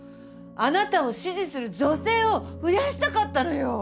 あなたを支持する女性を増やしたかったのよ！